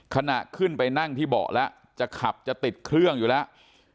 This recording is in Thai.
ขณะขึ้นไปนั่งที่เบาะแล้วจะขับจะติดเครื่องอยู่แล้ว